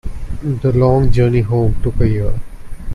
The long journey home took a year.